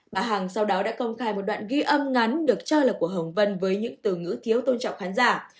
bà hằng sau đó đã công khai một đoạn ghi âm ngắn được cho là của hồng vân với những từ ngữ thiếu tôn trọng khán giả